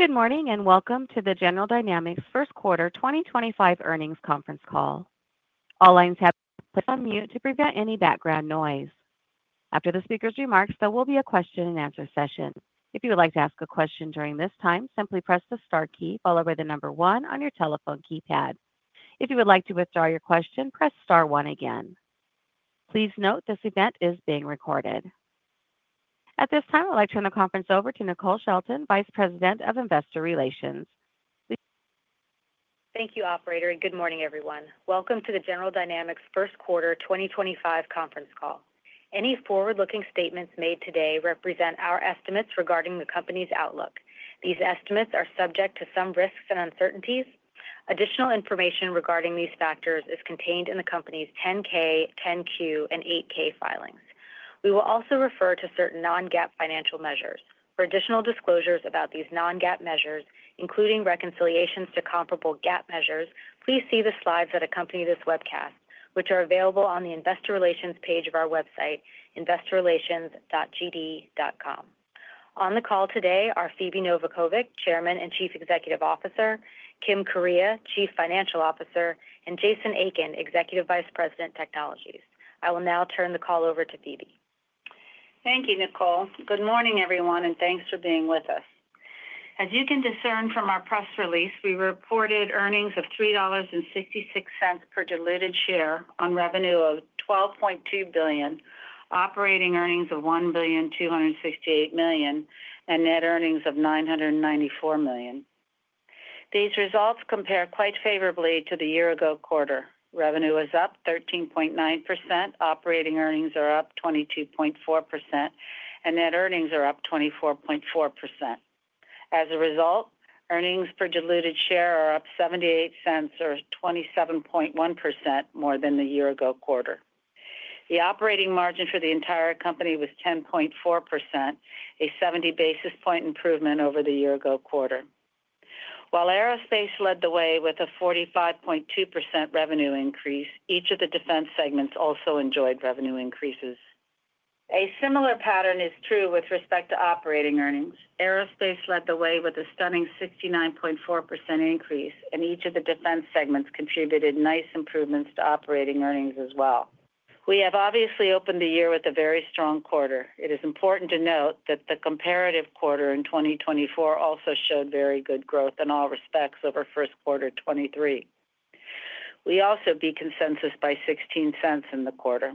Good morning and welcome to the General Dynamics first quarter 2025 earnings conference call. All lines have been placed on mute to prevent any background noise. After the speaker's remarks, there will be a question-and-answer session. If you would like to ask a question during this time, simply press the star key followed by the number one on your telephone keypad. If you would like to withdraw your question, press star one again. Please note this event is being recorded at this time. I'd like to turn the conference over to Nicole Shelton, Vice President of Investor Relations. Thank you Operator and good morning everyone. Welcome to the General Dynamics first quarter 2025 conference call. Any forward looking statements made today represent our estimates regarding the company's outlook. These estimates are subject to some risks and uncertainties. Additional information regarding these factors is contained in the company's 10-K, 10-Q and 8-K filings. We will also refer to certain non-GAAP financial measures. For additional disclosures about these non-GAAP measures, including reconciliations to comparable GAAP measures, please see the slides that accompany this webcast, which are available on the Investor Relations page of our website, investorrelations.gd.com. On the call today are Phebe Novakovic, Chairman and Chief Executive Officer, Kim Kuryea, Chief Financial Officer, and Jason Aiken, Executive Vice President, Technologies. I will now turn the call over to Phebe. Thank you, Nicole. Good morning everyone and thanks for being with us. As you can discern from our press release, we reported earnings of $3.66 per diluted share on revenue of $12.2 billion, operating earnings of $1.268 billion and net earnings of $994 million. These results compare quite favorably to the year ago quarter. Revenue is up 13.9%, operating earnings are up 22.4%, and net earnings are up 24.4%. As a result, earnings per diluted share are up $0.78 or 27.1% more than the year ago quarter. The operating margin for the entire company was 10.4%, a 70 basis point improvement over the year ago quarter, while Aerospace led the way with a 45.2% revenue increase. Each of the defense segments also enjoyed revenue increases. A similar pattern is true with respect to operating earnings. Aerospace led the way with a stunning 69.4% increase, and each of the defense segments contributed nice improvements to operating earnings as well. We have obviously opened the year with a very strong quarter. It is important to note that the comparative quarter in 2024 also showed very good growth in all respects over first quarter 2023. We also beat consensus by $0.16 in the quarter.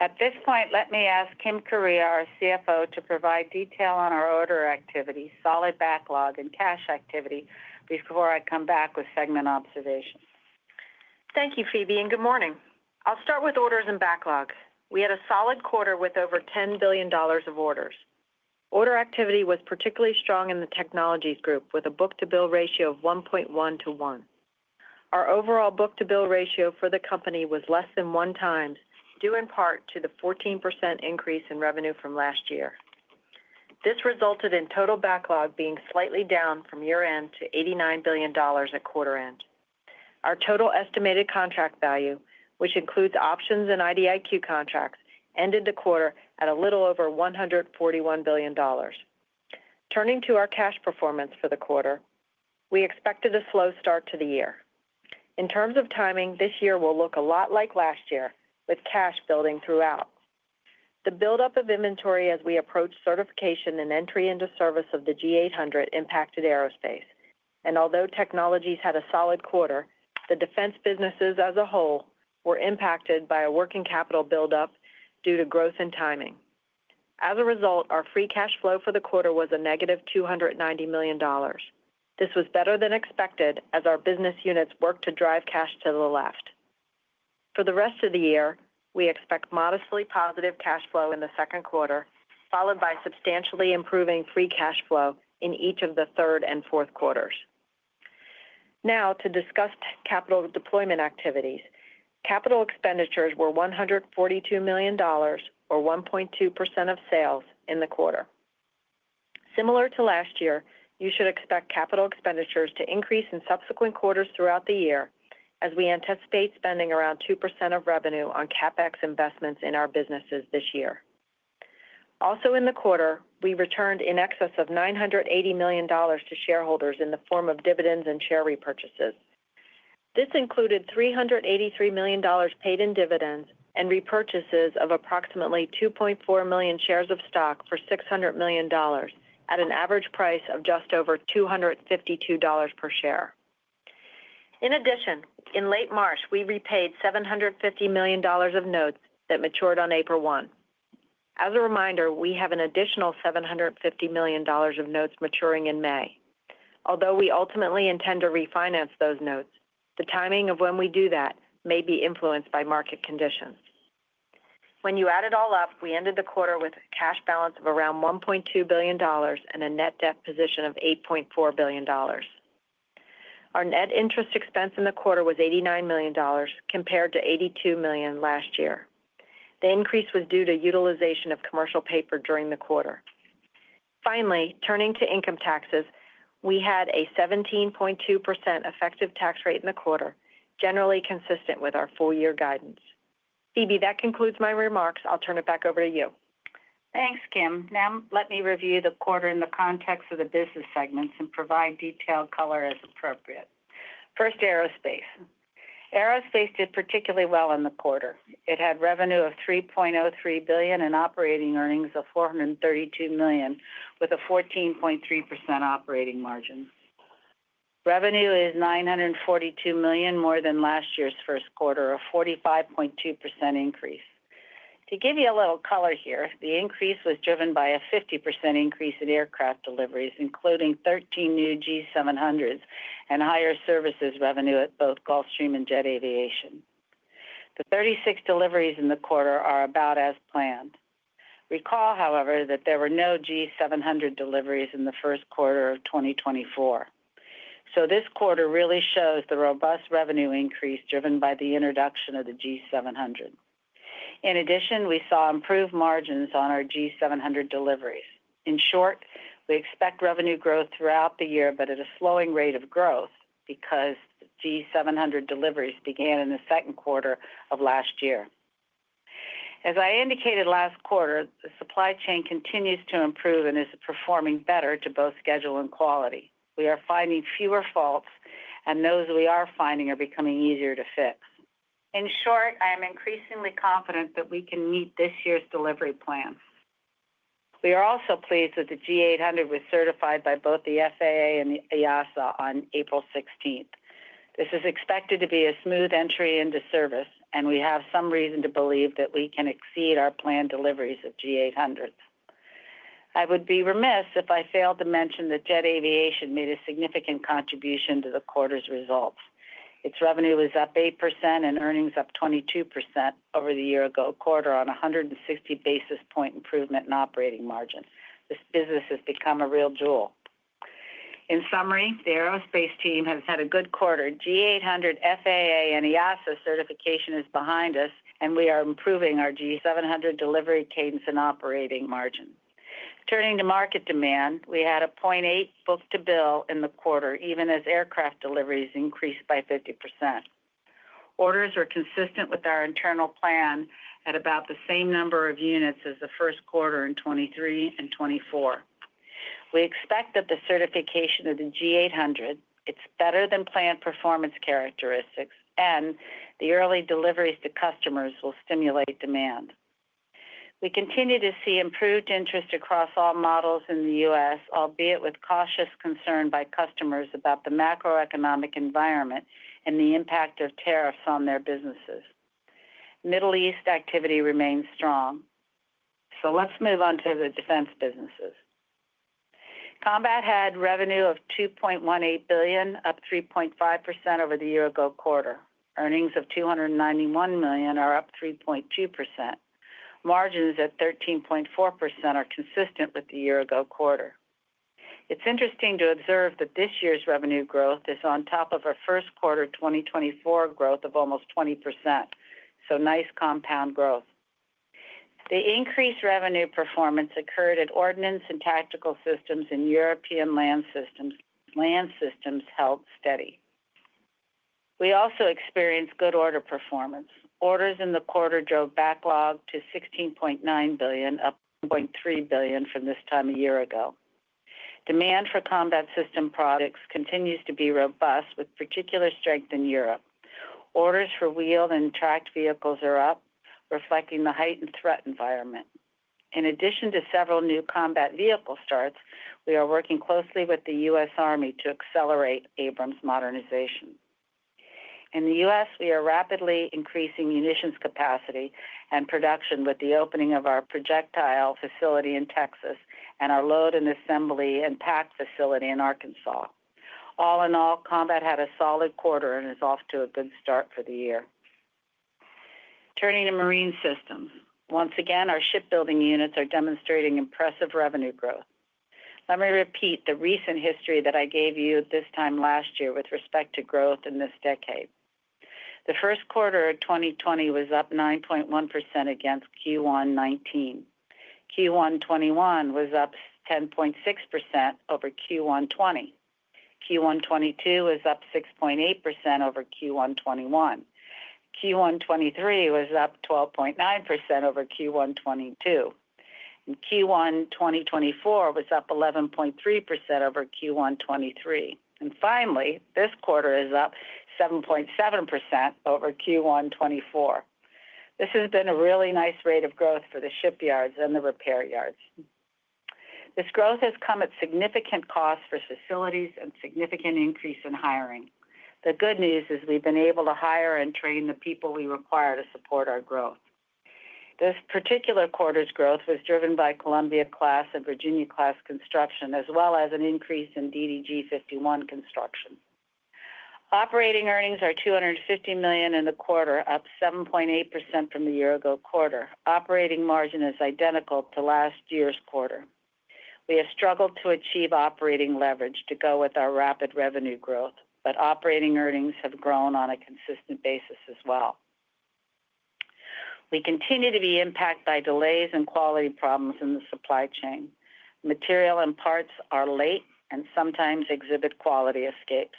At this point, let me ask Kim Kuryea, our CFO, to provide detail on our order activity, solid backlog and cash activity before I come back with segment observations. Thank you Phebe and good morning. I'll start with orders and backlog. We had a solid quarter with over $10 billion of orders. Order activity was particularly strong in the Technologies group with a book-to-bill ratio of 1.1 to 1. Our overall book-to-bill ratio for the company was less than 1x, due in part to the 14% increase in revenue from last year. This resulted in total backlog being slightly down from year end to $89 billion at quarter end. Our total estimated contract value, which includes options and IDIQ contracts, ended the quarter at a little over $141 billion. Turning to our cash performance for the quarter, we expected a slow start to the year. In terms of timing, this year will look a lot like last year with cash building throughout. The buildup of inventory as we approach certification and entry into service of the G800 impacted aerospace and although Technologies had a solid quarter, the defense businesses as a whole were impacted by a working capital buildup due to growth in timing. As a result, our free cash flow for the quarter was a negative $290 million. This was better than expected as our business units worked to drive cash to the left. For the rest of the year, we expect modestly positive cash flow in the second quarter, followed by substantially improving free cash flow in each of the third and fourth quarters. Now, to discuss capital deployment activities. Capital expenditures were $142 million, or 1.2% of sales in the quarter. Similar to last year, you should expect capital expenditures to increase in subsequent quarters throughout the year as we anticipate spending around 2% of revenue on CapEx investments in our businesses this year. Also in the quarter, we returned in excess of $980 million to shareholders in the form of dividends and share repurchases. This included $383 million paid in dividends and repurchases of approximately 2.4 million shares of stock for $600 million at an average price of just over $252 per share. In addition, in late March, we repaid $750 million of notes that matured on April 1. As a reminder, we have an additional $750 million of notes maturing in May. Although we ultimately intend to refinance those notes, the timing of when we do that may be influenced by market conditions. When you add it all up, we ended the quarter with a cash balance of around $1.2 billion and a net debt position of billion. Our net interest expense in the quarter was $89 million compared to $82 million last year. The increase was due to utilization of commercial paper during the quarter. Finally, turning to income taxes, we had a 17.2% effective tax rate in the quarter, generally consistent with our full year guidance. Phebe, that concludes my remarks. I'll turn it back over to you. Thanks, Kim. Now let me review the quarter in the context of the business segments and provide detailed color as appropriate. First, Aerospace. Aerospace did particularly well in the quarter. It had revenue of $3.03 billion and operating earnings of $432 million with a 14.3% operating margin. Revenue is $942 million more than last year's first quarter, a 45.2% increase. To give you a little color here, the increase was driven by a 50% increase in aircraft deliveries, including 13 new G700s and higher services revenue at both Gulfstream and Jet Aviation. The 36 deliveries in the quarter are about as planned. Recall, however, that there were no G700 deliveries in the first quarter of 2024. This quarter really shows the robust revenue increase driven by the introduction of the G700. In addition, we saw improved margins on our G700 deliveries. In short, we expect revenue growth throughout the year, but at a slowing rate of growth because G700 deliveries began in the second quarter of last year. As I indicated last quarter, the supply chain continues to improve and is performing better to both schedule and quality. We are finding fewer faults and those we are finding are becoming easier to fix. In short, I am increasingly confident that we can meet this year's delivery plan. We are also pleased that the G800 was certified by both the FAA and EASA on April 16th. This is expected to be a smooth entry into service and we have some reason to believe that we can exceed our planned deliveries of G800. I would be remiss if I failed to mention that Jet Aviation made a significant contribution to the quarter's results. Its revenue was up 8% and earnings up 22% over the year ago. Quarter on 160 basis point improvement in operating margin. This business has become a real jewel. In summary, the Aerospace team has had a good quarter. G800 FAA and EASA certification is behind us and we are improving our G700 delivery cadence and operating margin. Turning to market demand, we had a 0.8 book-to-bill in the quarter even as aircraft deliveries increased by 50%. Orders are consistent with our internal plan at about the same number of units as the first quarter in 2023 and 2024. We expect that the certification of the G800, its better than planned performance characteristics and the early deliveries to customers will stimulate demand. We continue to see improved interest across all models in the U.S. albeit with cautious concern by customers about the macroeconomic environment and the impact of tariffs on their businesses. Middle East activity remains strong, so let's move on to the defense businesses. Combat had revenue of $2.18 billion, up 3.5% over the year ago quarter. Earnings of $291 million are up 3.2%. Margins at 13.4% are consistent with the year ago quarter. It's interesting to observe that this year's revenue growth is on top of our first quarter 2024 growth of almost 20%. Nice compound growth. The increased revenue performance occurred at Ordnance and Tactical Systems and European Land Systems held steady. We also experienced good order performance. Orders in the quarter drove backlog to $16.9 billion, up $1.3 billion from this time a year ago. Demand for combat system products continues to be robust with particular strength in Europe. Orders for wheeled and tracked vehicles are up, reflecting the heightened threat environment. In addition to several new combat vehicle starts, we are working closely with the U.S. Army to accelerate Abrams modernization. In the U.S. We are rapidly increasing munitions capacity and production with the opening of our projectile facility in Texas and our load and assembly and pack facility in Arkansas. All in all, Combat had a solid quarter and is off to a good start for the year. Turning to marine systems once again, our shipbuilding units are demonstrating impressive revenue growth. Let me repeat the recent history that I gave you at this time last year with respect to growth in this decade. The first quarter of 2020 was up 9.1% against Q1 2019. Q1 2021 was up 10.6% over Q1 2020. Q1 2022 is up 6.8% over Q1 2021. Q1 2 2023 was up 12.9% over Q1 2022. Q1 2024 was up 11.3% over Q1 2023 and finally this quarter is up 7.7% over Q1 2024. This has been a really nice rate of growth for the shipyards and the repair yards. This growth has come at significant cost for facilities and significant increase in hiring. The good news is we've been able to hire and train the people we require to support our growth. This particular quarter's growth was driven by Columbia class and Virginia class construction as well as an increase in DDG 51 construction. Operating earnings are $250 million in the quarter, up 7.8% from the year ago quarter. Operating margin is identical to last year's quarter. We have struggled to achieve operating leverage to go with our rapid revenue growth, but operating earnings have grown on a consistent basis as well. We continue to be impacted by delays and quality problems in the supply chain. Material and parts are late and sometimes exhibit quality escapes,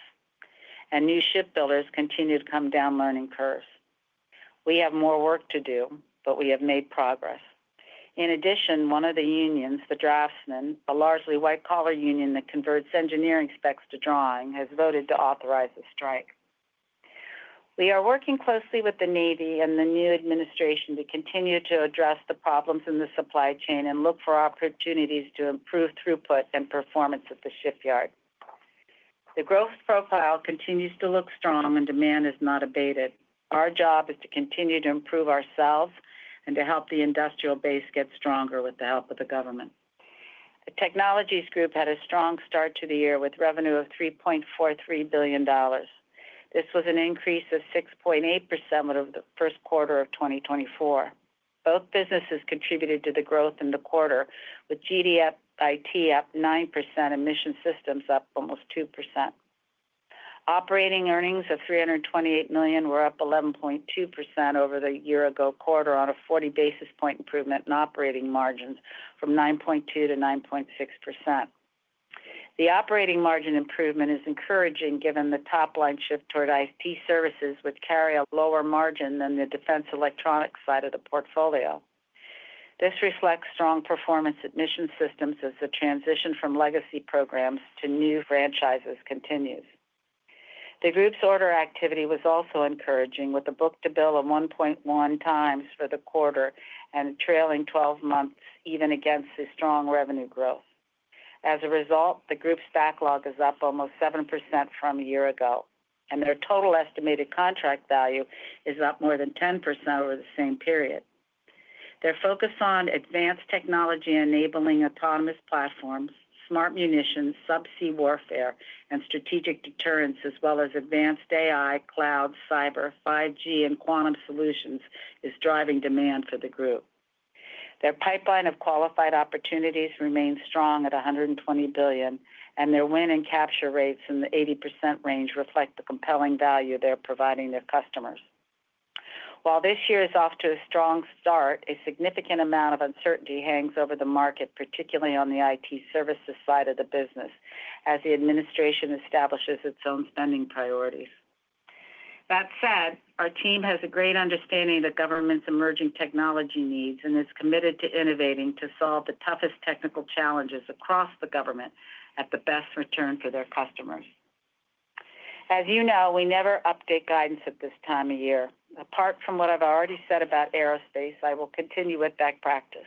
and new shipbuilders continue to come down learning curves. We have more work to do, but we have made progress. In addition, one of the unions, the draftsmen, a largely white collar union that converts engineering specs to drawings, has voted to authorize the strike. We are working closely with the Navy and the new administration to continue to address the problems in the supply chain and look for opportunities to improve throughput and performance at the shipyard. The growth profile continues to look strong and demand is not abated. Our job is to continue to improve ourselves and to help the industrial base get stronger with the help of the government. The Technologies group had a strong start to the year with revenue of $3.43 billion. This was an increase of 6.8% over the first quarter of 2024. Both businesses contributed to the growth in the quarter, with GDIT up 9%, Mission Systems up almost 2%. Operating earnings of $328 million were up 11.2% over the year-ago quarter, on a 40 basis point improvement in operating margins from 9.2% to 9.6%. The operating margin improvement is encouraging given the top line shift toward IT services, which carry a lower margin than the defense electronics side of the portfolio. This reflects strong performance in Mission Systems as the transition from legacy programs to new franchises continues. The group's order activity was also encouraging with a book-to-bill of 1.1x for the quarter and trailing 12 months even against the strong revenue growth. As a result, the group's backlog is up almost 7% from a year ago and their total estimated contract value is up more than 10% over the same period. Their focus on advanced technology enabling autonomous platforms, smart munitions, subsea warfare and strategic deterrence, as well as advanced AI, cloud, cyber, 5G and quantum solutions is driving demand for the group. Their pipeline of qualified opportunities remains strong at $120 billion and their win and capture rates in the 80% range reflect the compelling value they're providing their customers. While this year is off to a strong start, a significant amount of uncertainty hangs over the market, particularly on the IT services side of the business as the administration establishes its own spending priorities. That said, our team has a great understanding of the government's emerging technology needs and is committed to innovating to solve the toughest technical challenges across the government at the best return for their customers. As you know, we never update guidance at this time of year. Apart from what I've already said about aerospace, I will continue with that practice.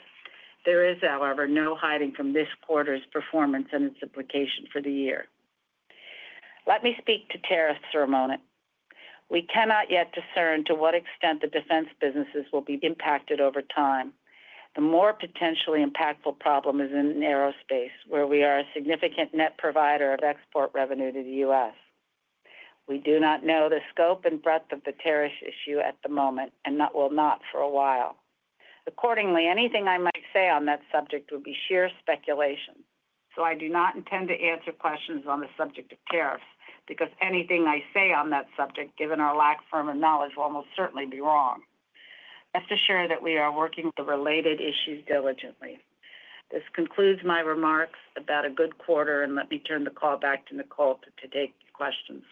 There is, however, no hiding from this quarter's performance and its implication for the year. Let me speak to tariffs for a moment. We cannot yet discern to what extent the defense businesses will be impacted over time. The more potentially impactful problem is in aerospace, where we are a significant net provider of export revenue to the U.S. We do not know the scope and breadth of the tariff issue at the moment and will not for a while. Accordingly, anything I might say on that subject would be sheer speculation. I do not intend to answer questions on the subject of tariffs because anything I say on that subject, given our lack of firm knowledge, will almost certainly be wrong. Rest assured that we are working the related issues diligently. This concludes my remarks about a good quarter and let me turn the call back to Nicole to take questions.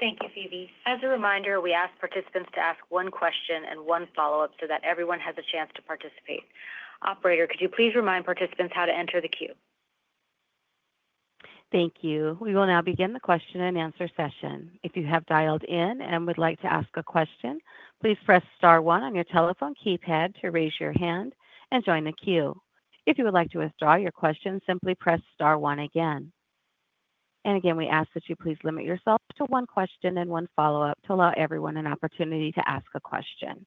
Thank you, Phebe. As a reminder, we asked participants to ask one question and one follow up so that everyone has a chance to participate. Operator, could you please remind participants how to enter the queue? Thank you. We will now begin the question-and-answer session. If you have dialed in and would like to ask a question, please press star one on your telephone keypad to raise your hand and join the queue. If you would like to withdraw your question, simply press star one again. We ask that you please limit yourself to one question and one follow up to allow everyone an opportunity to ask a question.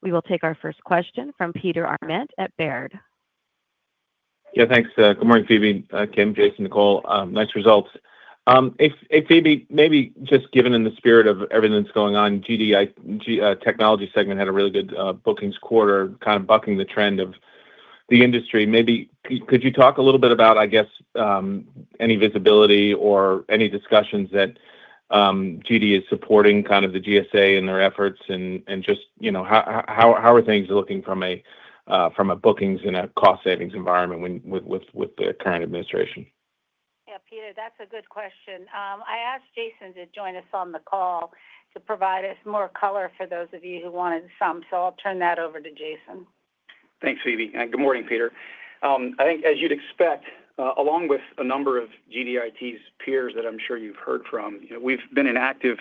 We will take our first question from Peter Arment at Baird. Yeah, thanks. Good morning Phebe, Kim, Jason, Nicole, nice results. Phebe, maybe just given in the spirit of everything that's going on, GD technology segment had a really good bookings quarter, kind of bucking the trend of the industry maybe, could you talk a little bit about, I guess any visibility or any discussions that GD is supporting kind of the GSA and their efforts and just, you know, how are things looking from a bookings in a cost savings environment with the current administration? Yeah, Peter, that's a good question. I asked Jason to join us on the call to provide us more color for those of you who wanted some. I will turn that over to Jason. Thanks, Phebe. Good morning, Peter. I think as you'd expect, along with a number of GDIT's peers that I'm sure you've heard from, we've been in active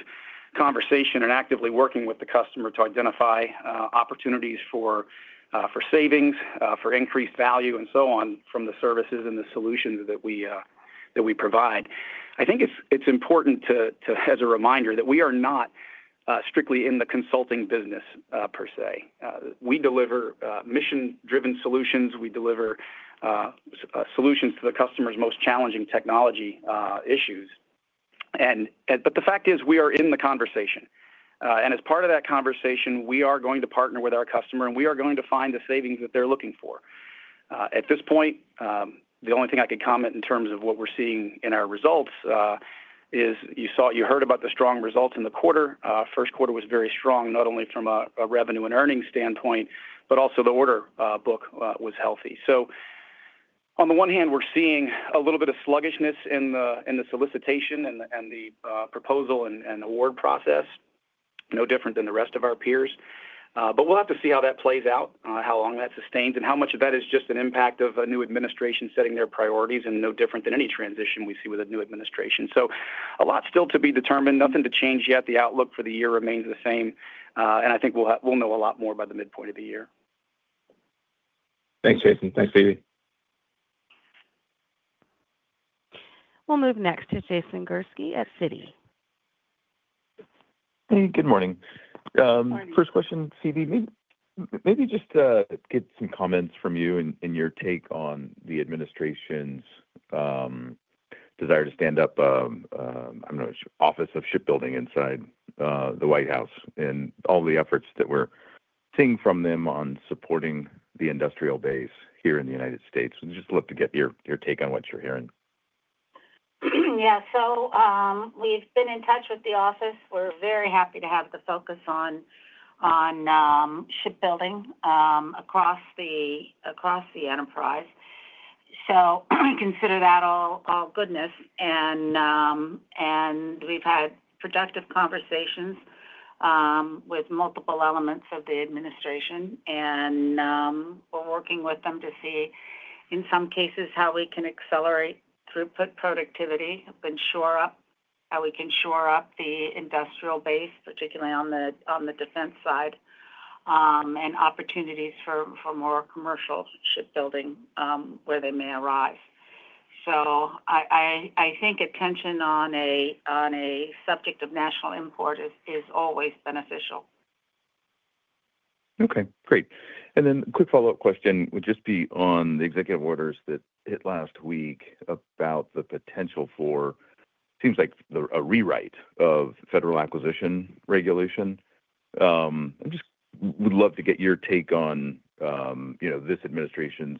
conversation and actively working with the customer to identify opportunities for savings, for increased value, and so on from the services and the solutions that we provide. I think it's important as a reminder that we are not strictly in the consulting business per se. We deliver mission-driven solutions, we deliver solutions to the customer's most challenging technology issues. The fact is we are in the conversation, and as part of that conversation, we are going to partner with our customer and we are going to find the savings that they're looking for. At this point, the only thing I could comment in terms of what we're seeing in our results is you saw, you heard about the strong results in the quarter. First quarter was very strong, not only from a revenue and earnings standpoint, but also the order book was healthy. On the one hand, we're seeing a little bit of sluggishness in the solicitation and the proposal and award process. No different than the rest of our peers. We'll have to see how that plays out, how long that is sustained and how much of that is just an impact of a new administration setting their priorities and no different than any transition we see with a new administration. A lot still to be determined, nothing to change yet. The outlook for the year remains the same and I think we'll know a lot more by the midpoint of the year. Thanks, Jason. Thanks, Phebe. We'll move next to Jason Gursky at Citi. Hey, good morning. First question, could you maybe just get some comments from you and your take on the administration's desire to stand up, I don't know, Office of Shipbuilding inside the White House and all the efforts that we're seeing from them on supporting the industrial base here in the United States. We'd just love to get your take on what you're hearing. Yeah. We've been in touch with the office. We're very happy to have the focus on shipbuilding across the enterprise. Consider that all goodness. We've had productive conversations with multiple elements of the administration and we're working with them to see in some cases how we can accelerate throughput productivity and shore up how we can shore up the industrial base, particularly on the defense side, and opportunities for more commercial shipbuilding where they may arise. I think attention on a subject of national import is always beneficial. Okay, great. Quick follow up question would just be on the executive orders that hit last week about the potential for seems like a rewrite of federal acquisition regulation. I just would love to get your take on, you know, this administration's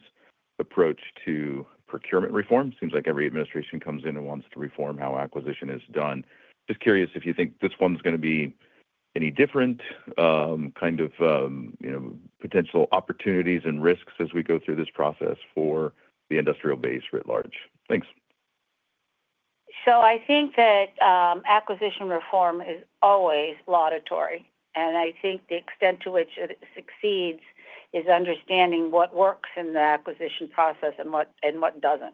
approach to procurement reform. Seems like every administration comes in and wants to reform how acquisition is done. Just curious if you think this one's going to be any different kind of potential opportunities and risks as we go through this process for the industrial base writ large. Thanks. I think that acquisition reform is always laudatory, and I think the extent to which it succeeds is understanding what works in the acquisition process and what does not.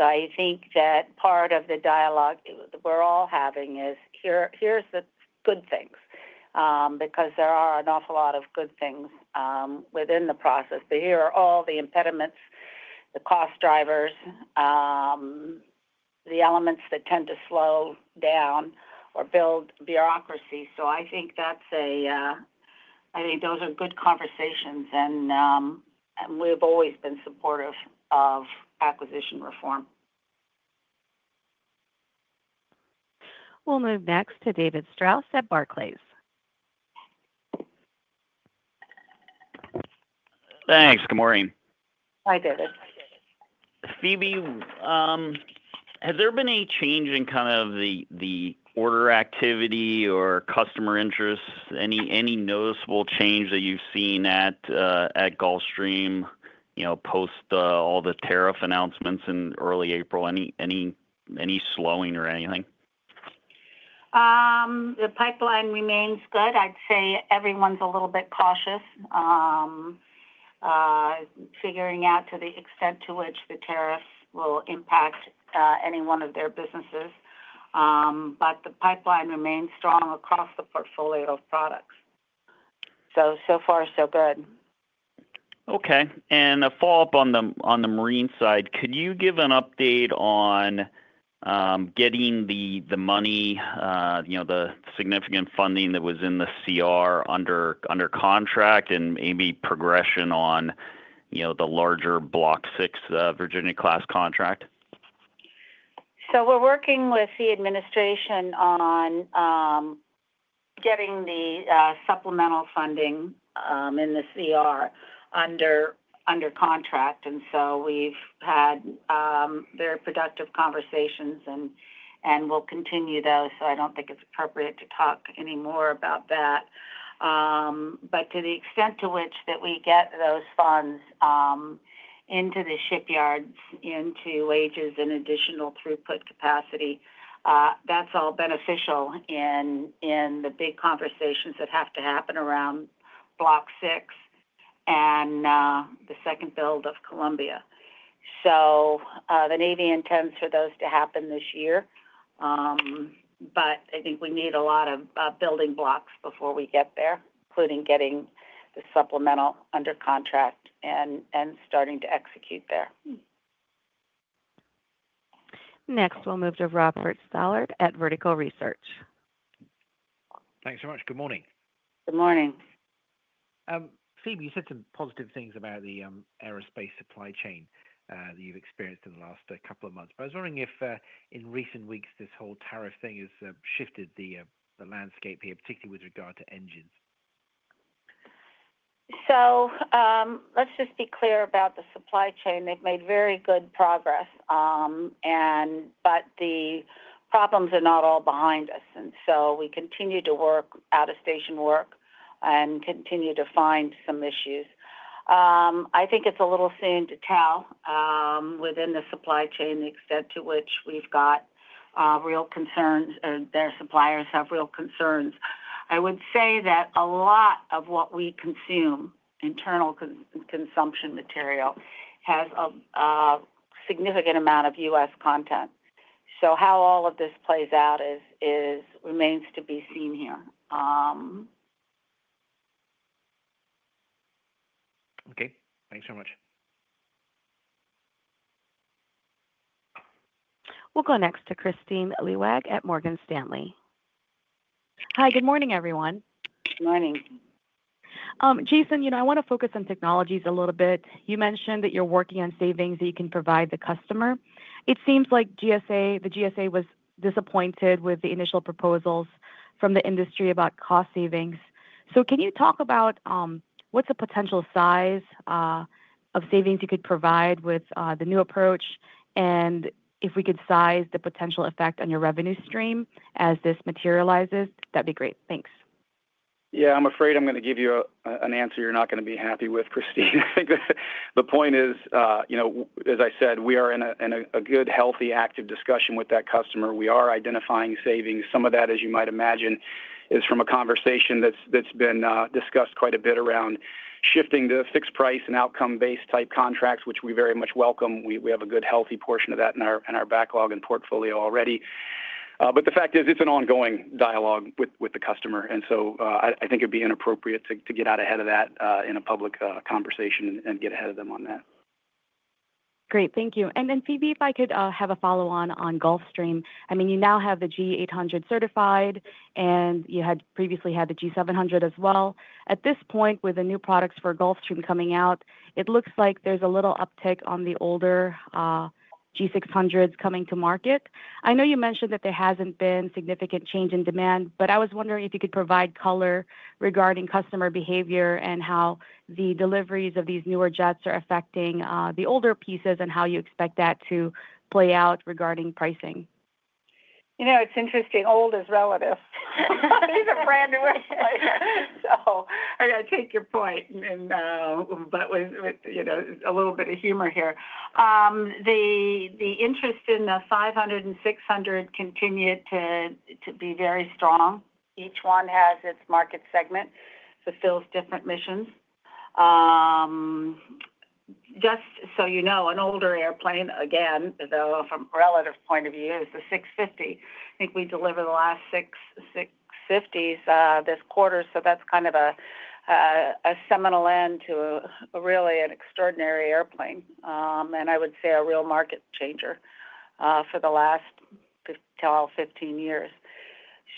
I think that part of the dialogue we are all having is here are the good things, because there are an awful lot of good things within the process, but here are all the impediments, the cost drivers, the elements that tend to slow down or build bureaucracy. I think those are good conversations. We have always been supportive of acquisition reform. We'll move next to David Strauss at Barclays. Thanks. Good morning. Hi, David. Phebe, has there been any change in kind of the order activity or customer interest? Any noticeable change that you've seen at Gulfstream, you know, post all the tariff announcements in early April? Any slowing or anything? The pipeline remains good. I'd say everyone's a little bit cautious figuring out to the extent to which the tariffs will impact any one of their businesses, but the pipeline remains strong across the portfolio of products. So far, so good. Okay. A follow up on the marine side, could you give an update on getting the money, you know, the significant funding that was in the CR under contract and maybe progression on, you know the larger Block 6, Virginia class contract? We're working with the administration on getting the supplemental funding in the CR under contract. We've had very productive conversations and we'll continue those. I don't think it's appropriate to talk anymore about that. To the extent to which we get those funds into the shipyards, into wages and additional throughput capacity, that's all beneficial in the big conversations that have to happen around Block 6 and the second build of Columbia. The Navy intends for those to happen this year, but I think we need a lot of building blocks before we get there, including getting the supplemental under contract and starting to execute there. Next we'll move to Robert Stallard at Vertical Research. Thanks so much. Good morning. Good morning. Phebe, you said some positive things about the aerospace supply chain that you've experienced in the last couple of months. I was wondering if in recent weeks, this whole tariff thing has shifted the landscape here, particularly with regard to engines. Let's just be clear about the supply chain. They've made very good progress, but the problems are not all behind us. We continue to work out of station work and continue to find some issues. I think it's a little soon to tell within the supply chain the extent to which we've got real concerns, their suppliers have real concerns. I would say that a lot of what we consume, internal consumption material, has a significant amount of U.S. content. How all of this plays out remains to be seen here. Okay, thanks very much. We'll go next to Kristine Liwag at Morgan Stanley. Hi, good morning, everyone. Good morning. Jason. You know, I want to focus on technologies a little bit. You mentioned that you're working on savings that you can provide the customer. It seems like the GSA was disappointed with the initial proposals from the industry about cost savings. Can you talk about what's the potential size of savings you could provide with the new approach and if we could size the potential effect on your revenue stream and as this materializes, that'd be great. Thanks. Yeah, I'm afraid I'm going to give you an answer you're not going to be happy with, Christine. I think the point is, you know, as I said, we are in a good, healthy, active discussion with that customer. We are identifying savings. Some of that, as you might imagine, is from a conversation that's been discussed quite a bit around shifting to fixed price and outcome based type contracts, which we very much welcome. We have a good healthy portion of that in our backlog and portfolio already. The fact is it's an ongoing dialogue with customer and I think it'd be inappropriate to get out ahead of that in a public conversation and get ahead of them on that. Great, thank you. Phebe, if I could have a follow on, on Gulfstream. I mean you now have the G800 certified and you had previously had the G700 as well. At this point, with the new products for Gulfstream coming out, it looks like there's a little uptick on the older G600s coming to market. I know you mentioned that there hasn't been significant change in demand. I was wondering if you could provide color regarding customer behavior and how the deliveries of these newer jets are affecting the older pieces and how you expect that to play out regarding pricing. It's interesting. Old is relative. I take your point, but a little bit of humor here. The interest in the G500 and G600 continued to be very strong. Each one has its market segment, fulfills different missions. Just so you know, an older airplane again though from a relative point of view is the G650. I think we delivered the last G650s this quarter. That's kind of a seminal end to really an extraordinary airplane and I would say a real market changer for the last 15 years.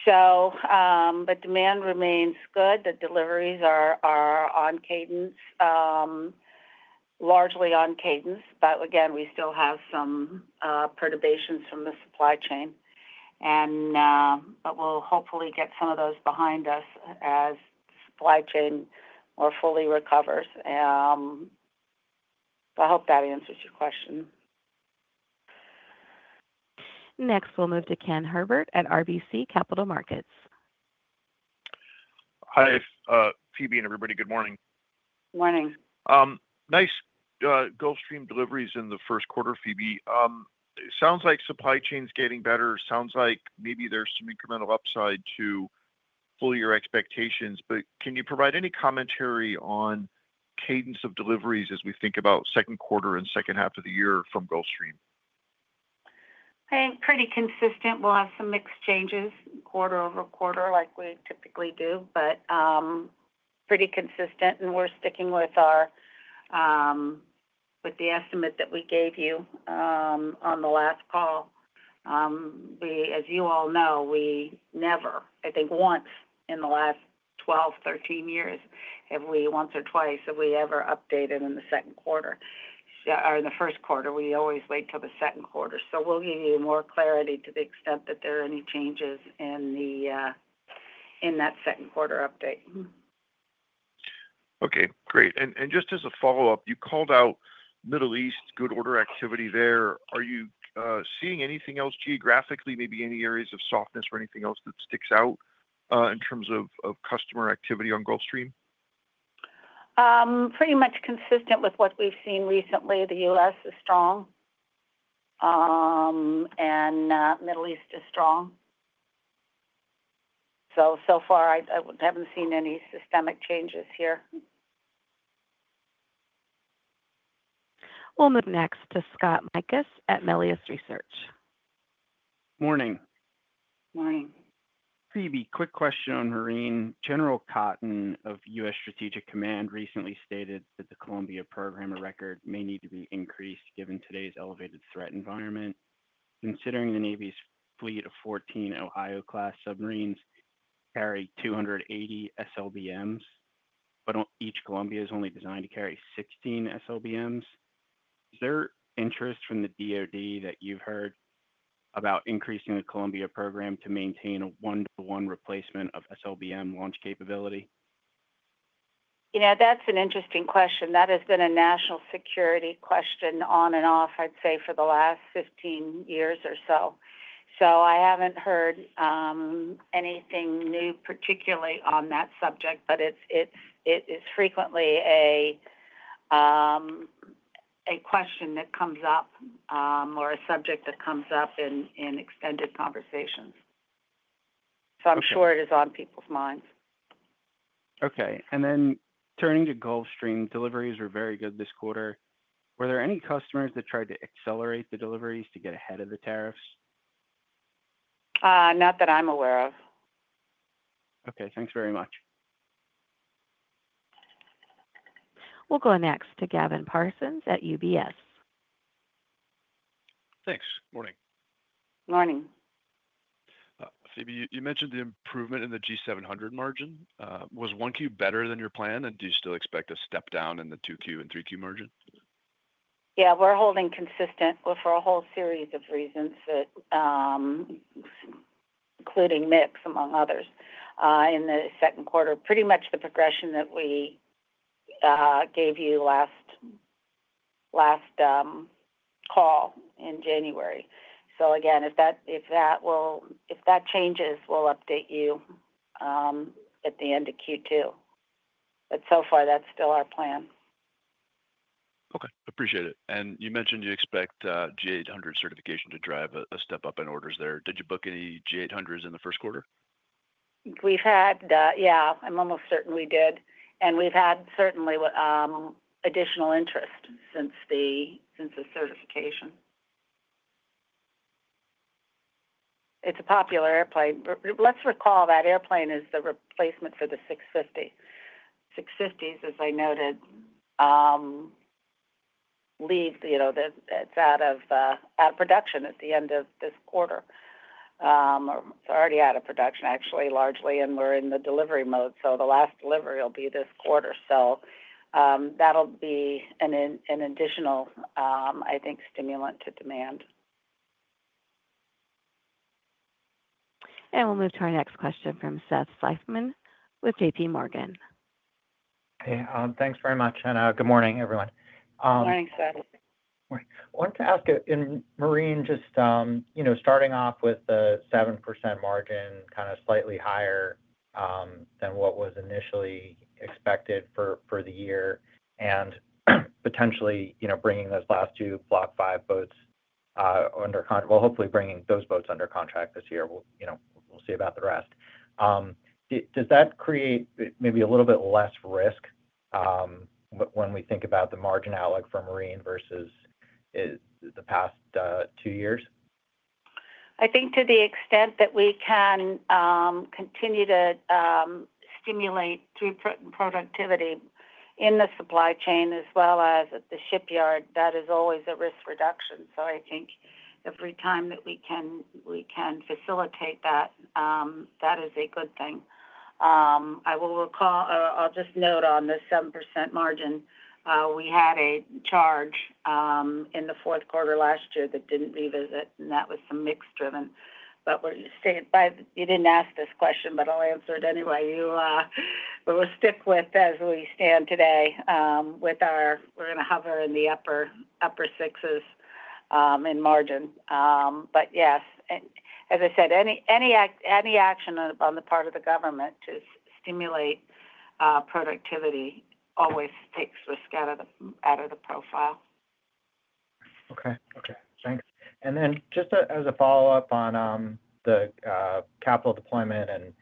Demand remains good. The deliveries are on cadence, largely on cadence. Again, we still have some perturbations from the supply chain, but we'll hopefully get some of those behind us as supply chain more fully recovers. I hope that answers your question. Next we'll move to Ken Herbert at RBC Capital Markets. Hi Phebe and everybody, good morning. Morning. Nice Gulfstream deliveries in the first quarter. Phebe, sounds like supply chain is getting better. Sounds like maybe there's some incremental upside to full year expectations. Can you provide any commentary on cadence of deliveries as we think about second quarter and second half of the year from Gulfstream? Pretty consistent. We'll have some mixed changes quarter-over-quarter like we typically do, but pretty consistent. We're sticking with the estimate that we gave you on the last call. As you all know, we never, I think once in the last 12, 13 years, have we once or twice ever updated in the second quarter or in the first quarter. We always wait till the second quarter. We'll give you more clarity to the extent that there are any changes in that second quarter update. Okay, great. Just as a follow up, you called out Middle East good order activity there. Are you seeing anything else geographically, maybe any areas of softness or anything else that sticks out in terms of customer activity on Gulfstream? Pretty much consistent with what we've seen recently. The U.S. is strong and Middle East is strong. So far I haven't seen any systemic changes here. We'll move next to Scott Mikus at Melius Research. Morning. Morning. Phebe. Quick question on Marine. General Cotton of U.S. Strategic Command recently stated that the Columbia program of record may need to be increased given today's elevated threat environment. Considering the Navy's fleet of 14 Ohio class submarines carry 280 SLBMs, but each Columbia is only designed to carry 16 SLBMs. Is there interest from the DoD that you've heard about increasing the Columbia program to maintain a one to one replacement of SLBM launch capability? You know, that's an interesting question that has been a national security question on and off, I'd say for the last 15 years or so. I haven't heard anything new, particularly on that subject. It is frequently a question that comes up or a subject that comes up in extended conversations. I'm sure it is on people' minds. Okay. Turning to Gulfstream, deliveries we're very good at this quarter. Were there any customers that tried to accelerate the deliveries to get ahead of the tariffs? Not that I'm aware. Okay, thanks very much. We'll go next to Gavin Parsons at UBS. Thanks. Morning. Morning. Phebe, you mentioned the improvement in the G700 margin was 1Q better than your plan. Do you still expect a step down in the 2Q and 3Q margin? Yeah, we're holding consistent for a whole series of reasons that include MIPs, among others, in the second quarter. Pretty much the progression that we gave you last call in January. Again, if that changes, we'll update you at the end of Q2. So far that's still our plan. Okay, appreciate it. You mentioned you expect G800 certification to drive a step up in orders there. Did you book any G800 in the first quarter? We've had. Yeah, I'm almost certain we did. And we've had certainly additional interest since the, since the certification. It's a popular airplane. Let's recall that airplane is the replacement for the G650. G650s, as I noted, leave, you know, it's out of production at the end of this quarter. It's already out of production actually, largely. And we're in the delivery mode. The last delivery will be this quarter. That'll be an additional, I think, stimulant to demand. We will move to our next question from Seth Seifman with JPMorgan. Hey, thanks very much and good morning, everyone. Good morning Seth. I wanted to ask in Marine, just, you know, starting off with the 7% margin kind of slightly higher than what was initially expected for the year and potentially, you know, bringing those last two Block 5 boats under contract. Well, hopefully bringing those boats under contract this year, you know, we'll see about the rest. Does that create maybe a little bit less risk when we think about the margin outlook for Marine versus the past two years? I think to the extent that we can continue to stimulate throughput and productivity in the supply chain as well as at the shipyard, that is always a risk reduction. I think every time that we can facilitate that, that is a good thing. I will recall. I'll just note on the 7% margin. We had a charge in the fourth quarter last year that did not revisit. That was some mix driven, but we're staying by. You did not ask this question, but I'll answer it anyway. We'll stick with, as we stand today, with our. We're going to hover in the upper sixes in margin. Yes, as I said, any action on the part of the government to stimulate productivity always takes risk out of the profile. Okay. Okay, thanks. Just as a follow up on the capital deployment and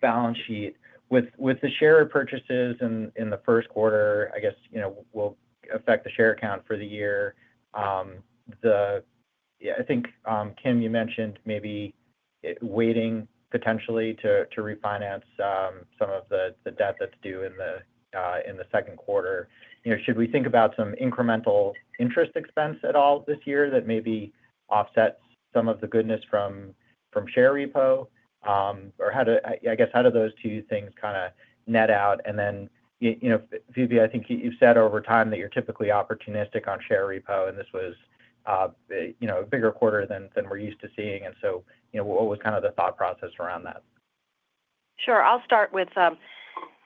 balance sheet with the share repurchases in the first quarter, I guess will affect the share count for the year, I think, Kim, you mentioned maybe waiting potentially to refinance some of the debt that's due in the second quarter. Should we think about some incremental interest expense at all this year that maybe offsets some of the goodness from share repo or I guess, how do those two things kind of net out? Phebe, I think you've said over time that you're typically opportunistic on share repo. This was a bigger quarter than we're used to seeing. What was kind of the thought process around that? Sure. I'll start.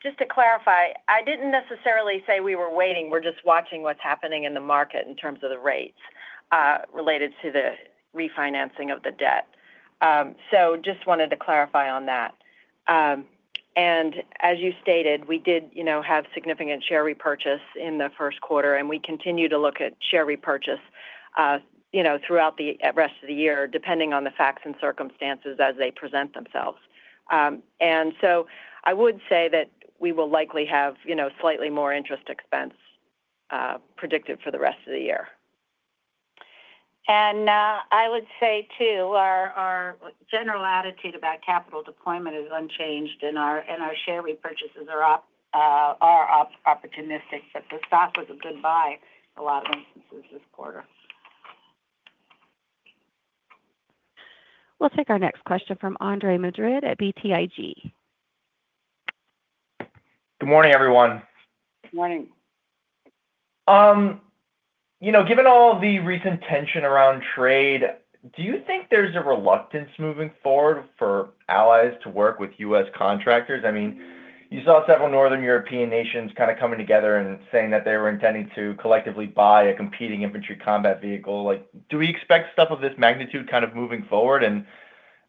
Just to clarify, I didn't necessarily say we were waiting. We're just watching what's happening in the market in terms of the rates related to the refinancing of the debt. Just wanted to clarify on that. As you stated, we did, you know, have significant share repurchase in the first quarter, and we continue to look at share repurchase, you know, throughout the rest of the year, depending on the facts and circumstances as they present themselves. I would say that we will likely have, you know, slightly more interest expense predicted for the rest of the rest of the year. I would say too, our general attitude about capital deployment is unchanged and our share repurchases are opportunistic, but the stock was a good buy in a lot of instances this quarter. We'll take our next question from Andre Madrid at BTIG. Good morning everyone. Morning. You know, given all the recent tension around trade, do you think there's a reluctance moving forward for allies to work with U.S. contractors? I mean, you saw several northern European nations kind of coming together and saying that they were intending to collectively buy a competing infantry combat vehicle. Like, do we expect stuff of this magnitude kind of moving forward?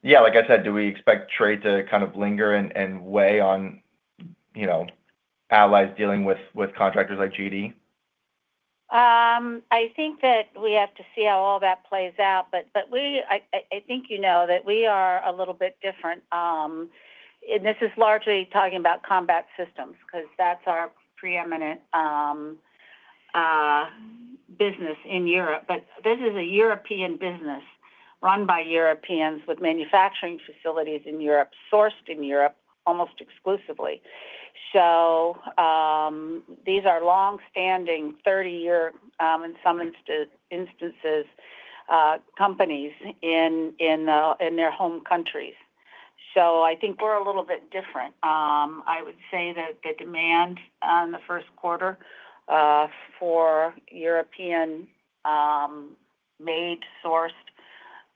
Yeah, like I said, do we expect trade to kind of linger and weigh on, you know, allies dealing with contractors like GD? I think that we have to see how all that plays out. I think, you know, that we are a little bit different. This is largely talking about Combat Systems because that's our preeminent business in Europe. This is a European business run by Europeans with manufacturing facilities in Europe sourced in Europe almost exclusively. These are long standing, 30 year in some instances, companies in their home countries. I think we're a little bit different. I would say that the demand in the first quarter for European made sourced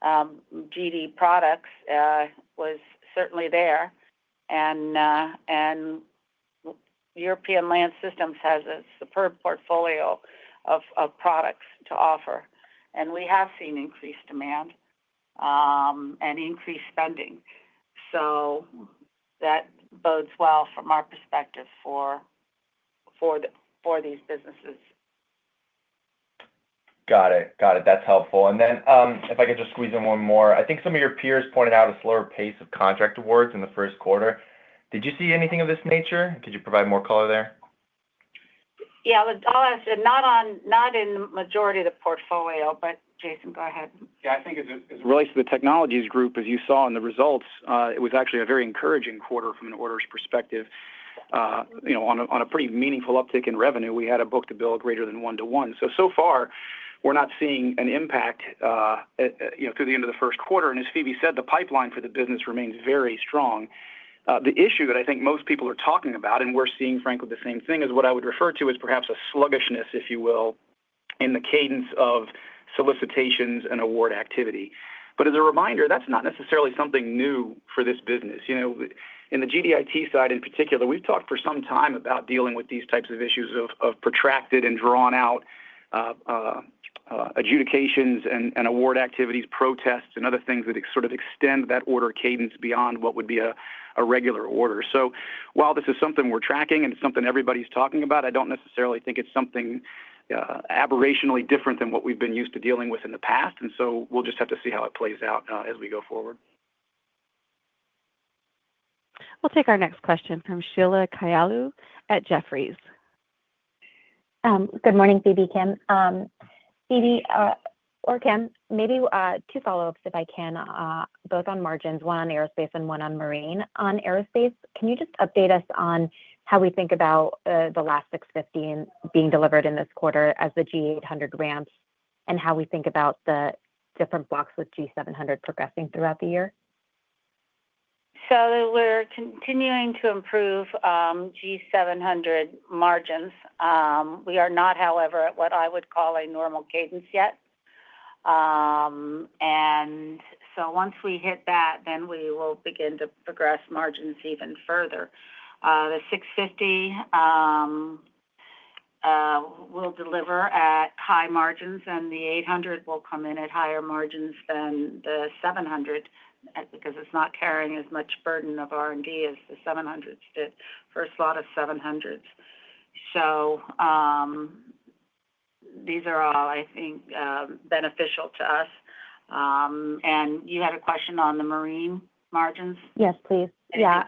GD products was certainly there. European Land Systems has a superb portfolio of products to offer. We have seen increased demand and increased spending. That bodes well from our perspective for these businesses. Got it. That's helpful. If I could just squeeze in one more. I think some of your peers pointed out a slower pace of contract awards in the first quarter. Did you see anything of this nature? Could you provide more color there? Yeah, all I said, not in majority of the portfolio, but Jason, go ahead. Yeah, I think as it relates to the technologies group, as you saw in the results, it was actually a very encouraging quarter from an orders perspective, you know, on a pretty meaningful uptick in revenue. We had a book-to-bill greater than one to one. So far we're not seeing impact through the end of the first quarter. As Phebe said, the pipeline for the business remains very strong. The issue that I think most people are talking about and we're seeing, frankly the same thing, is what I would refer to as perhaps a sluggishness, if you will, in the cadence of solicitations and award activity. As a reminder, that's not necessarily something new for this business. You know, in the GDIT side in particular, we've talked for some time about dealing with these types of issues of protracted and drawn out adjudications and award activities, protests and other things that sort of extend that order cadence beyond what would be a regular order. While this is something we're tracking and it's something everybody's talking about, I don't necessarily think it's something aberrationally different than what we've been used to dealing with in the past. We'll just have to see how it plays out as we go forward. We'll take our next question from Sheila Kahyaoglu at Jefferies. Good morning. Phebe. Kim. Phebe or Kim, maybe two follow ups if I can, both on margins, one on aerospace and one on Marine. On aerospace, can you just update us on how we think about the last G650 being delivered in this quarter as the G800 ramps and how we think about the different blocks with G700 progressing throughout the year? We are continuing to improve G700 margins. We are not, however, at what I would call a normal cadence yet. Once we hit that, we will begin to progress margins even further. The G650 will deliver at high margins and the G800 will come in at higher margins than the G700 because it is not carrying as much burden of R&D as the G700 did for a slot of G700s. These are all, I think, beneficial to us. You had a question on the Marine margins? Yes, please. I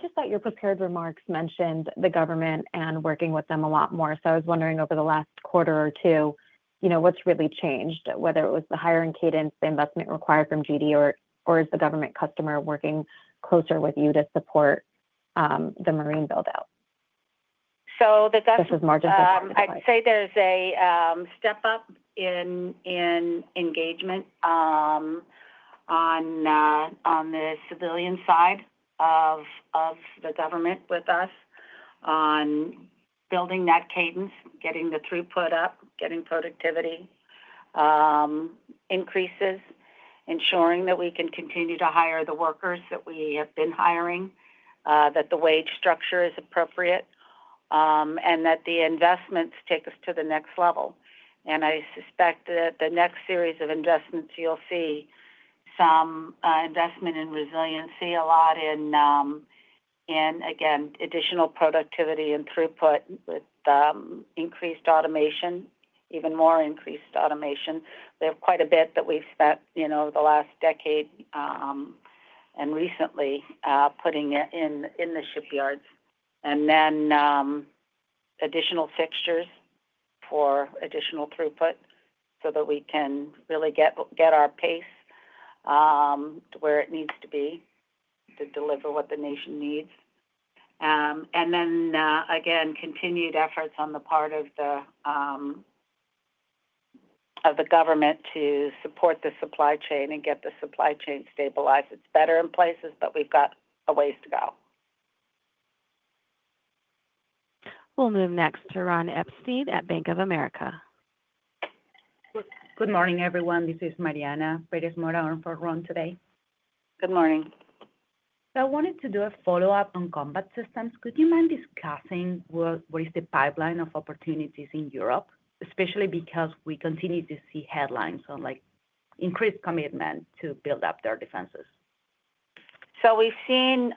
just thought your prepared remarks mentioned the government and working with them a lot more. I was wondering over the last quarter or two, you know, what's really changed, whether it was the hiring cadence, the investment required from GD, or is the government customer working closer with you to support the Marine build. I'd say there's a step up in engagement on the civilian side of the government with us on building that cadence, getting the throughput up, getting productivity increases, ensuring that we can continue to hire the workers that we have been hiring, that the wage structure is appropriate, and that the investments take us to the next level. I suspect that the next series of investments, you'll see some investment in resiliency, a lot in, and again, additional productivity and throughput with increased automation, even more increased automation. We have quite a bit that we've spent, you know, the last decade and recently putting in the shipyards and then additional fixtures for additional throughput so that we can really get our pace to where it needs to be to deliver what the nation needs. Continued efforts on the part of the government to support the supply chain and get the supply chain stabilized. It's better in places, but we've got a ways to go. We'll move next to Ron Epstein at Bank of America. Good morning, everyone. This is Mariana Pérez Mora on for Ron today. Good morning. I wanted to do a follow-up on Combat Systems. Could you mind discussing what is the pipeline of opportunities in Europe? Especially because we continue to see headlines on increased commitment to build up their defenses. We have seen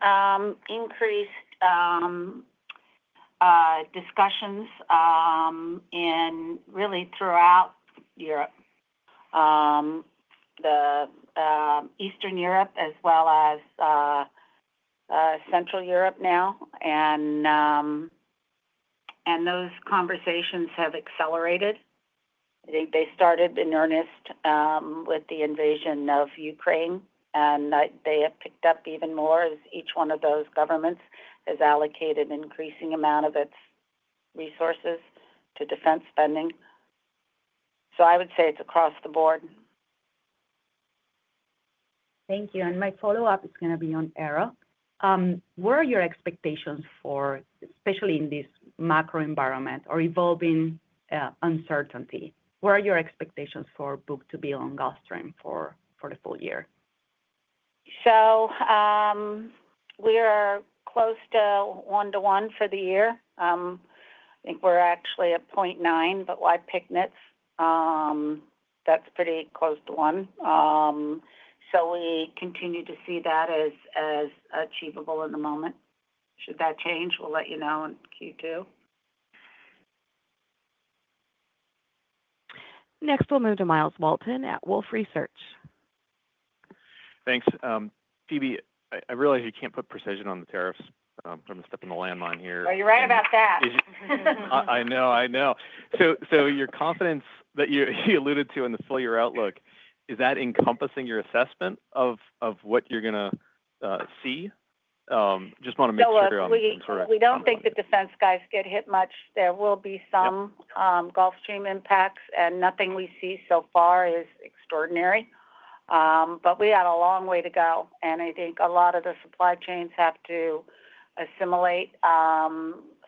increased discussions really throughout Europe, Eastern Europe as well as Central Europe now. Those conversations have accelerated. They started in earnest with the invasion of Ukraine. They have picked up even more as each one of those governments has allocated an increasing amount of its resources to defense spending. I would say it is across the board. Thank you. My follow-up is going to be on Aero. What are your expectations for, especially in this macro environment or evolving uncertainty? What are your expectations for book-to-bill on Gulfstream for the full year? We are close to one-to-one for the year. I think we're actually at 0.9. That is pretty close to one. We continue to see that as achievable in the moment. Should that change, we'll let you know Q2. Next, we'll move to Myles Walton at Wolfe Research. Thanks. Phebe, I realize you can't put precision on the tariffs. I'm going to step in the landmine here. Oh, you're right about. I know, I know. Your confidence that he alluded to in the full year outlook, is that encompassing your assessment of what you're going to see? We do not think the defense guys get hit much. There will be some Gulfstream impacts, and nothing we see so far is extraordinary. We have a long way to go. I think a lot of the supply chains have to assimilate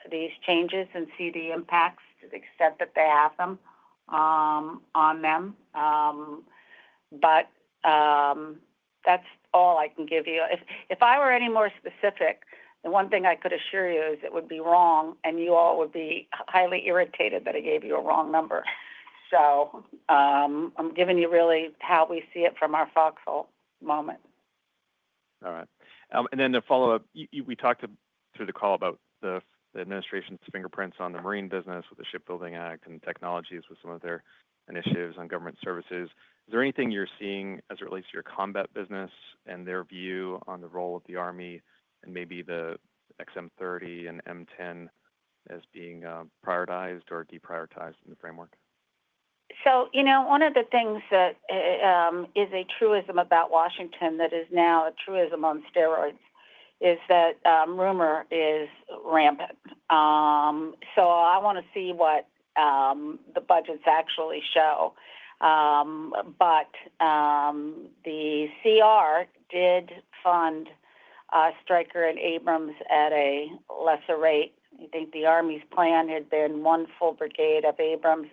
these changes and see the impacts to the extent that they have them on them. That is all I can give you. If I were any more specific, the one thing I could assure you is it would be wrong and you all would be highly irritated that I gave you a wrong number. I am giving you really how we see it from our foxhole. All right. To follow up, we talked through the call about the administration's fingerprints on the marine business with the Shipbuilding Act and technologies with some of their initiatives on government services. Is there anything you're seeing as it relates to your combat business and their view on the role of the Army and maybe the XM30 and M10 as being prioritized or deprioritized in the framework? You know, one of the things that is a truism about Washington that is now a truism on steroids is that rumor is rampant. I want to see what the budgets actually show. The CR did fund Stryker and Abrams at a lesser rate. I think the Army's plan had been one full brigade of Abrams,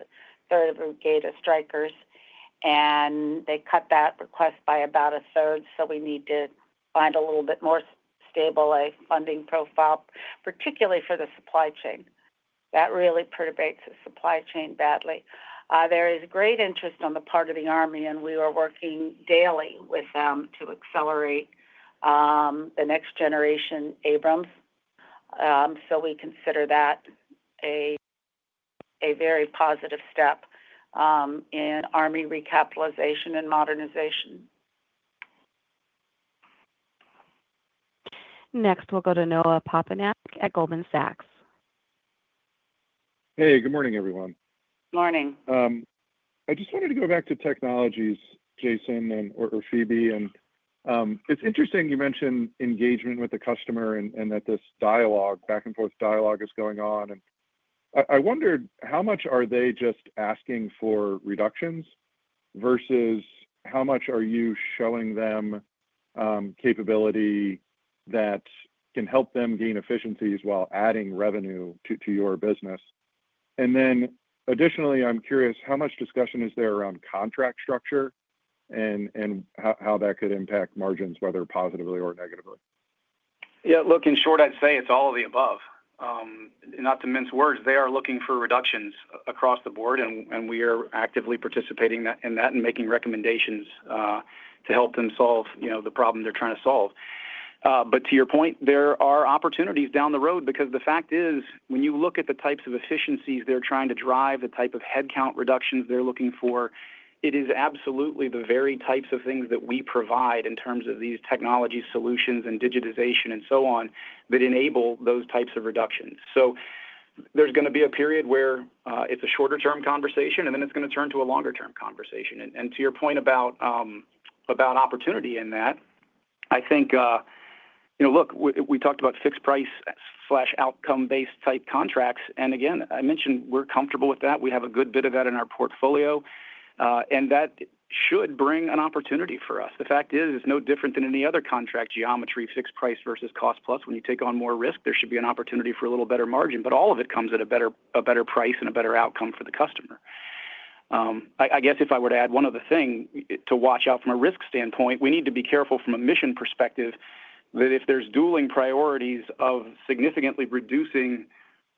third brigade of Strykers, and they cut that request by about 1/3. We need to find a little bit more stable, a funding profile, particularly for the supply chain, that really perturbates the supply chain badly. There is great interest on the part of the Army, and we are working daily with them to accelerate the next generation Abrams. We consider that a very positive step in Army recapitalization modernization. Next we'll go to Noah Poponak at Goldman Sachs. Hey, good morning everyone. Good morning. I just wanted to go back to technologies, Jason and or Phebe, and it's interesting you mentioned engagement with the customer and that this dialogue, back and forth dialogue, is going on and I wondered how much are they just asking for reductions versus how much are you showing them capability that can help them gain efficiencies while adding revenue to your business? Additionally, I'm curious how much discussion is there around contract structure and how that could impact margins, whether positively or negatively? Yeah, look, in short, I'd say it's all of the above, not to mince words, they are looking for reductions across the board and we are actively participating in that and making recommendations to help them solve the problem they're trying to solve. To your point, there are opportunities down the road because the fact is when you look at the types of efficiencies they're trying to drive, the type of headcount reductions they're looking for, it is absolutely the very types of things that we provide in terms of these technology solutions and digitization and so on that enable those types of reductions. There's going to be a period where it's a shorter-term conversation and then it's going to turn to a longer-term conversation. To your point about opportunity in that, I think, you know, look, we talked about fixed price slash outcome based type contracts and again I mentioned we're comfortable with that. We have a good bit of that in our portfolio and that should bring an opportunity for us. The fact is it's no different than any other contract geometry. Fixed price versus cost plus when you take on more risk, there should be an opportunity for a little better margin, but all of it comes at a better price and a better outcome for the customer. I guess if I were to add one other thing to watch out from a risk standpoint, we need to be careful from a mission perspective that if there's dueling priorities of significantly reducing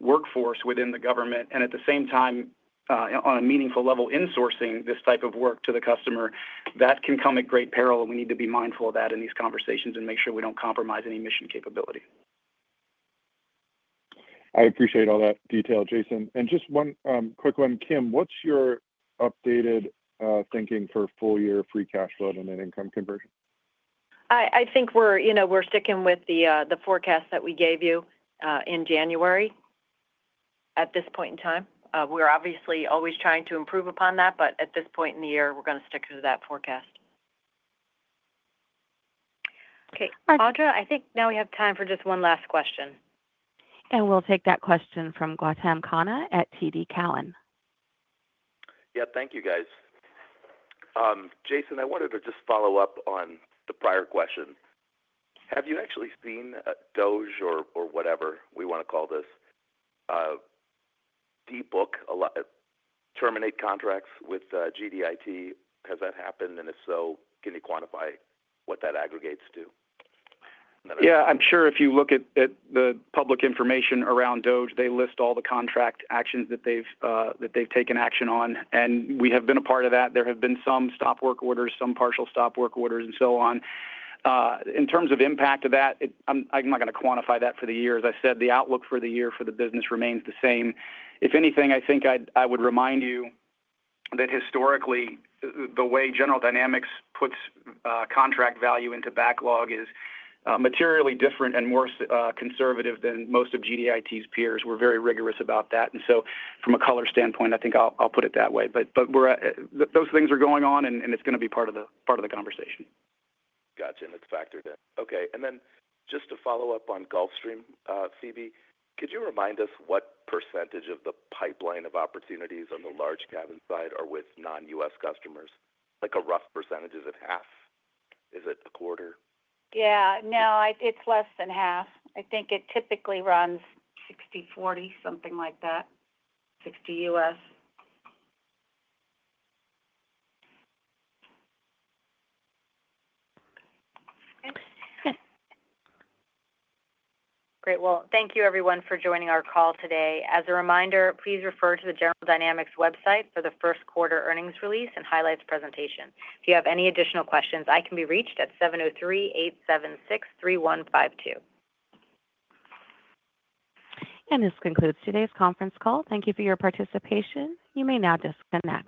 workforce within the government and at the same time on a meaningful level insourcing this type of work to the customer, that can come at great peril. We need to be mindful of that in these conversations and make sure we don't compromise any mission capability. I appreciate all that detail, Jason. Just one quick one, Kim. What's your updated thinking for full year free cash flow to net income conversion? I think, you know, we're sticking with the forecast that we gave you in January at this point in time. We're obviously always trying to improve upon that, but at this point in the year, we're going to stick to that forecast. Okay, I think now we have time for just one last question. We'll take that question from Gautam Khanna at TD Cowen. Yeah, thank you, guys. Jason, I wanted to just follow up on the prior question. Have you actually seen DoD or whatever we want to call this DOGE terminate contracts with GDIT? Has that happened and if so, can you quantify what that aggregates to? Yeah, I'm sure if you look at the public information around DoD, they list all the contract actions that they've taken action on and we have been a part of that. There have been some stop-work orders, some partial stop-work orders and so on. In terms of impact of that, I'm not going to quantify that for the year. As I said, the outlook for the year for the business remains the same. If anything, I think I would remind you that historically, the way General Dynamics puts contract value into backlog is materially different and more conservative than most of GDIT's peers. We're very rigorous about that. From a color standpoint, I think I'll put it that way. Those things are going on and it's going to be part of the conversation. Got you. And it's factored in. Okay. Just to follow up on Gulfstream, Phebe, could you remind us what percentage of the pipeline of opportunities on the large cabin side are with non-U.S. customers? Like a rough percentage? Is it half? Is it a quarter? Yeah, no, it's less than half. I think it typically runs 60/40, something like that. 60% U.S. Great. Thank you everyone for joining our call today. As a reminder, please refer to the General Dynamics website for the first quarter earnings release and highlights presentation. If you have any additional questions, I can be reached at 703-876-3152. This concludes today's conference call. Thank you for your participation. You may now disconnect.